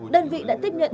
đơn vị đã tiếp nhận